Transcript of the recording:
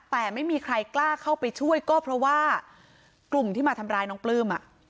แต่ไม่มีใครกล้าเข้าไปช่วยก็เพราะว่ากลุ่มที่มาทำร้ายน้องปลื้ม